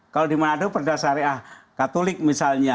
kalau di manado perdasariah katolik misalnya